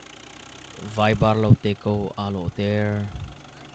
Vaibarlo te ko aa lawh ter.